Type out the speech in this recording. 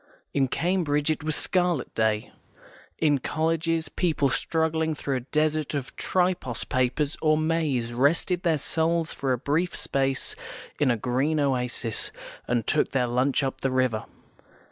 In Cambridge it was a Scarlet Day. In colleges, people struggling through a desert of Tripos papers or Mays rested their souls for a brief space in a green oasis, and took their lunch up the river.